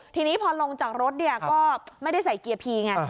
ทีนี้พอลงจากรถก็ไม่ได้ใส่เกียร์พีไง